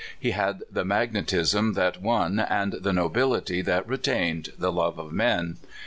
He had the magnetism that won and the nobility that retained the love of men.